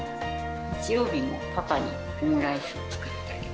日曜日もパパにオムライスを作ったり。